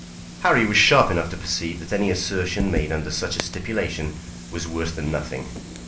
Harry was sharp enough to perceive that any assertion made under such a stipulation was worse than nothing.